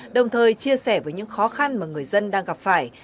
đồng thời chia sẻ với những khó khăn mà người dân đang gặp phải